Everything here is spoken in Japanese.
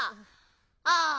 ああ。